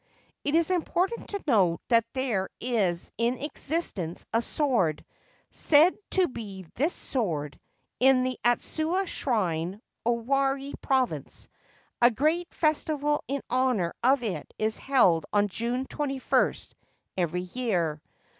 It is important to note that there is in existence a sword, said to be this sword, in the Atsuta Shrine, Owari Province ; a great festival in honour of it is held on June 21 every year.